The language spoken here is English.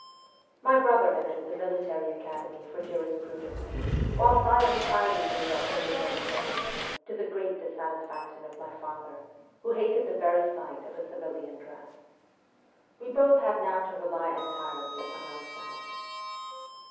My brother entered the Military Academy for Jurisprudence, whilst I entirely gave up military service, to the great dissatisfaction of my father, who hated the very sight of a civilian dress. We both had now to rely entirely upon oursleves.